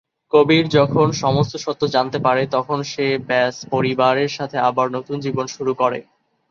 কবির যখন সমস্ত সত্য জানতে পারে, তখন সে ব্যাস পরিবারের সাথে আবার নতুন জীবন শুরু করে।